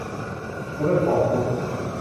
โมเดอร์นฟอร์มกรุ๊ป